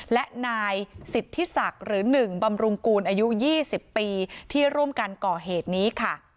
และนายสิทธิศักดิ์หรือ๑บำรุงกูลอายุ๒๐ปีที่ร่วมกันก่อเหตุนี้ค่ะ